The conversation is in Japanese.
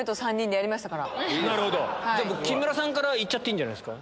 木村さんから行っちゃっていいんじゃないですか？